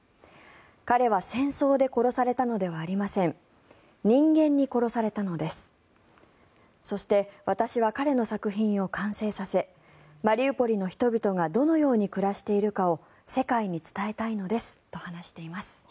彼は戦争で殺されたのではありません人間に殺されたのですそして、私は彼の作品を完成させマリウポリの人々がどのように暮らしているかを世界に伝えたいのですと話しています。